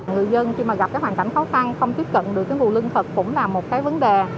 người dân khi mà gặp cái hoàn cảnh khó khăn không tiếp cận được cái nguồn lương thực cũng là một cái vấn đề